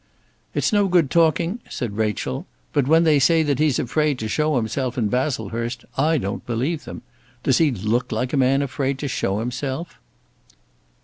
"It's no good talking," said Rachel; "but when they say that he's afraid to show himself in Baslehurst, I don't believe them. Does he look like a man afraid to show himself?"